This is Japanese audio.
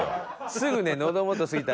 「すぐね」